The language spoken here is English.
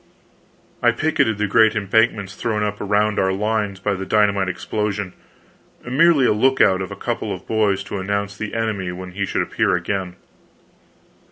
] I picketed the great embankments thrown up around our lines by the dynamite explosion merely a lookout of a couple of boys to announce the enemy when he should appear again.